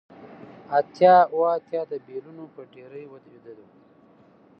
اتیا اوه اتیا د بیلونو په ډیرۍ ویده و